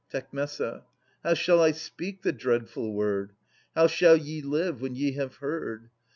Tec. How shall I speak the dreadful word? How shall ye live when ye have heard